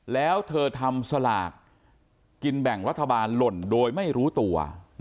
แล้วเธอทำสลากกินแบ่งรัฐบาลหล่นโดยไม่รู้ตัว